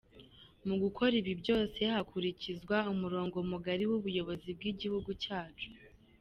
Mu gukora ibi byose hakurikizwa umurongo mugari w’Ubuyobozi bw’Igihugu cyacu.